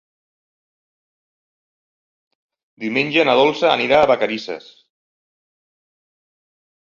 Diumenge na Dolça anirà a Vacarisses.